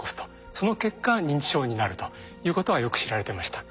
その結果認知症になるということはよく知られてました。